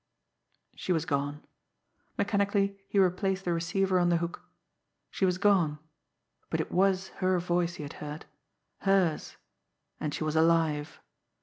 She was gone. Mechanically he replaced the receiver on the hook. She was gone but it was her voice he had heard hers and she was alive.